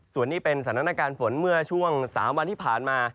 ส่วนนี้เป็นสถานการณ์ฝนเมื่อช่วง๓วันที่ผ่านมา